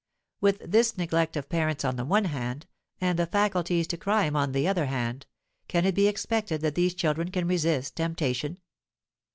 With this neglect of parents on the one hand, and the faculties to crime on the other hand, can it be expected that these children can resist temptation?